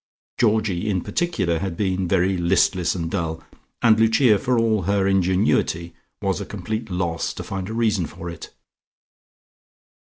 Georgie in particular had been very listless and dull, and Lucia, for all her ingenuity, was at a complete loss to find a reason for it.